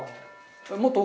もっと奥？